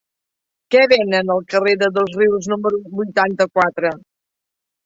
Què venen al carrer de Dosrius número vuitanta-quatre?